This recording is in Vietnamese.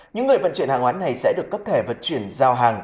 những người vận chuyển hàng hóa này sẽ được cấp thẻ vận chuyển giao hàng